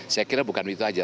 saya kira bukan begitu saja